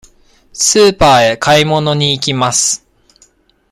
スーパーへ買い物に行きます。